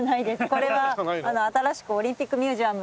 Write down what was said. これは新しくオリンピックミュージアム。